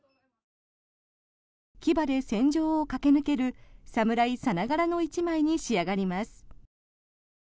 騎馬で戦場を駆け抜ける侍さながらの１枚に仕上がります。